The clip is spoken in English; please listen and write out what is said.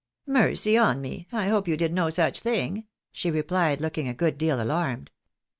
" Mercy on me ! I hope you did no such thing !" she repliec^ looking a good deal alarmed.